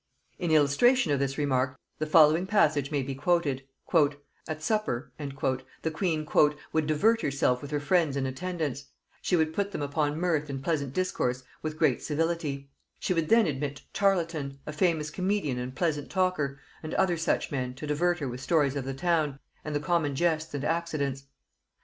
In illustration of this remark the following passage may be quoted: "At supper" the queen "would divert herself with her friends and attendants; and if they made her no answer, she would put them upon mirth and pleasant discourse with great civility. She would then admit Tarleton, a famous comedian and pleasant talker, and other such men, to divert her with stories of the town, and the common jests and accidents.